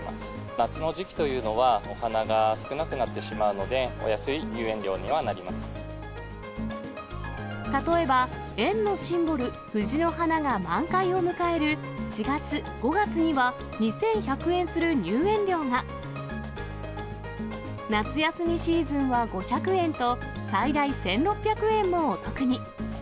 夏の時期というのは、お花が少なくなってしまうので、例えば園のシンボル、藤の花が満開を迎える４月、５月には２１００円する入園料が、夏休みシーズンは５００円と、最大１６００円もお得に。